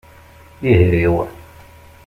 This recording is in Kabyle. Ihriw.